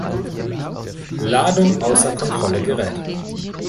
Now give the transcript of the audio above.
Ladung außer Kontrolle gerät.